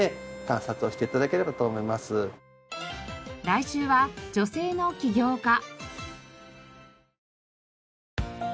来週は女性の起業家。